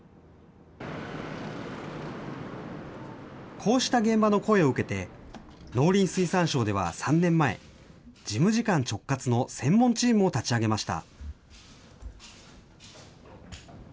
こうした現場の声を受けて、農林水産省では３年前、事務次官直轄の専門チームを立ち上げました。